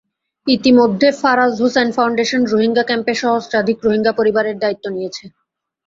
ইতিমধ্যে ফারাজ হোসেন ফাউন্ডেশন রোহিঙ্গা ক্যাম্পে সহস্রাধিক রোহিঙ্গা পরিবারের দায়িত্ব নিয়েছে।